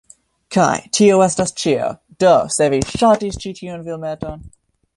Kaj tio estas ĉio do se vi ŝatis ĉi tiun filmeton